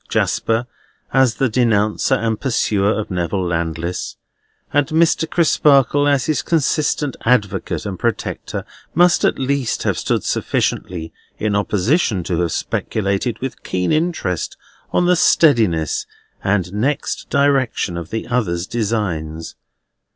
Jasper as the denouncer and pursuer of Neville Landless, and Mr. Crisparkle as his consistent advocate and protector, must at least have stood sufficiently in opposition to have speculated with keen interest on the steadiness and next direction of the other's designs.